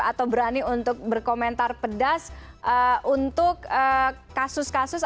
atau berani untuk berkomentar pedas untuk kasus kasus